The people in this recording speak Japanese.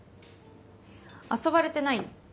遊ばれてないよ。